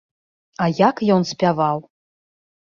А як ён спяваў!